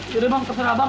yaudah bang terserah bang